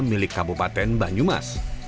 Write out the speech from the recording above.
milik kabupaten banyumas